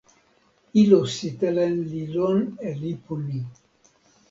ilo sitelen li lon e lipu ni.